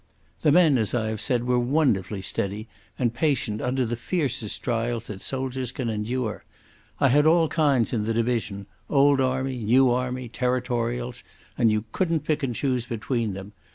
The men, as I have said, were wonderfully steady and patient under the fiercest trial that soldiers can endure. I had all kinds in the division—old army, new army, Territorials—and you couldn't pick and choose between them.